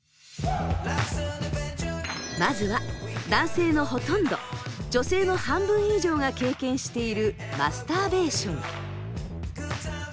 まずは男性のほとんど女性の半分以上が経験しているマスターベーション。